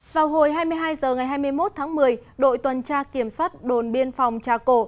vào hồi hai mươi hai h ngày hai mươi một tháng một mươi đội tuần tra kiểm soát đồn biên phòng trà cổ